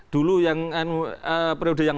dulu yang periode yang